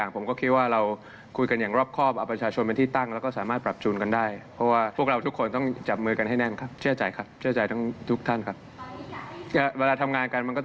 โปรสกพระเก้าไกลเอง